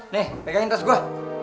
nih pegangin tas gue